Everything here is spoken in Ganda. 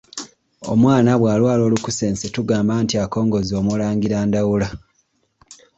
Omwana bw’alwala olukusense tugamba nti akongozze omulangira Ndawula.